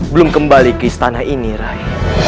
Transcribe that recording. belum kembali ke istana ini rai